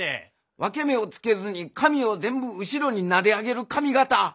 分け目をつけずに髪を全部後ろになで上げる髪形。